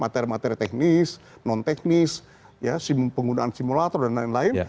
materi materi teknis non teknis penggunaan simulator dan lain lain